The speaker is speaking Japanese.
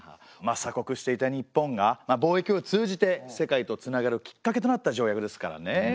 まあ鎖国していた日本が貿易を通じて世界とつながるきっかけとなった条約ですからね。